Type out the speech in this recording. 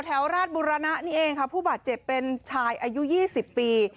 แถวราชบุรณะนี่เองค่ะผู้บาดเจ็บเป็นชายอายุ๒๐ปี